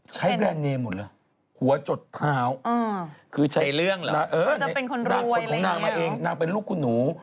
ใช้แบรนด์เนมหมดเหรอหัวจดเท้าคือใช้เอ๊ะนั่นเองนางเป็นลูกคุณหนู